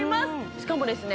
しかもですね